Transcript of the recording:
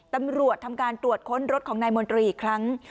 ตำรวจทำการตรวจค้นรถของนายมนตรีอีกครั้ง